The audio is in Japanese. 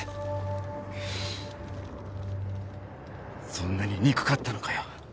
そんなに憎かったのかよ。